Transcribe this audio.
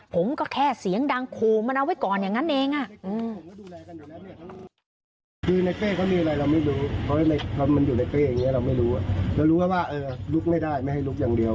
ผมก็แค่เสียงดังขู่มันเอาไว้ก่อนอย่างนั้นเอง